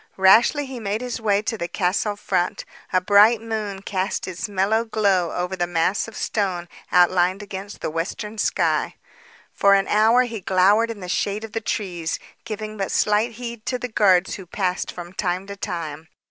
Rashly he made his way to the castle front. A bright moon cast its mellow glow over the mass of stone outlined against the western sky. For an hour he glowered in the shade of the trees, giving but slight heed to the guards who passed from time to time.